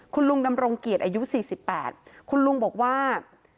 คุณลุงดำรงเกียรติอายุ๔๘คุณลุงบอกว่า